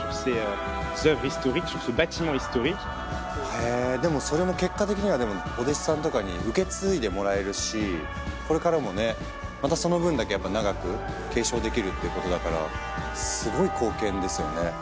へぇでもそれも結果的にはお弟子さんとかに受け継いでもらえるしこれからもねまたその分だけ長く継承できるってことだからすごい貢献ですよね。